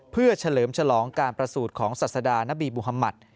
เพื่อเฉลิมฉลองการประสูจน์ของศาสดานบีบุหมัติ